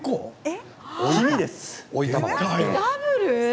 ダブル？